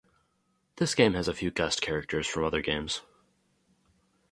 This game has a few guest characters from other games.